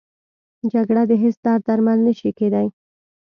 جګړه د هېڅ درد درمل نه شي کېدی